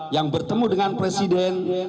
yang bertemu dengan presiden